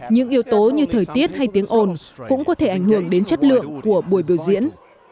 những yếu tố như thời tiết hay tiếng ồn cũng có thể ảnh hưởng đến chất lượng của buổi biểu diễn